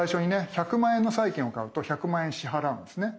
１００万円の債券を買うと１００万円支払うんですね。